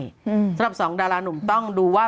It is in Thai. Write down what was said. สำหรับสองดารานุ่มต้องดูว่า